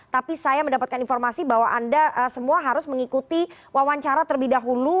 tapi saya mendapatkan informasi bahwa anda semua harus mengikuti wawancara terlebih dahulu